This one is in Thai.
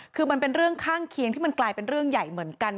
คือมันเป็นเรื่องข้างเคียงที่มันกลายเป็นเรื่องใหญ่เหมือนกัน